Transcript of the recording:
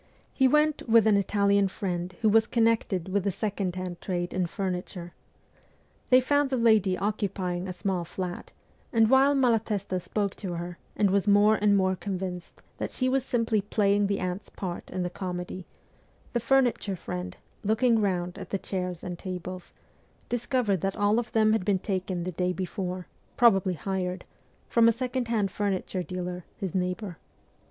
He went with an Italian friend who was connected with the second hand trade in furniture. They found the lady occupying a small flat, and while Malatesta spoke to her and was more and more convinced that she was simply playing the aunt's part in the comedy, the furniture friend, looking round at the chairs and tables, discovered that all of them had been taken the day before probably hired from a second hand furniture dealer, his neighbour.